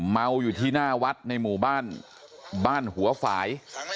เมาอยู่ที่หน้าวัดในหมู่บ้านบ้านหัวฝ่าย